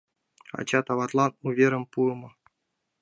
Ачат-аватлан уверым пуымо».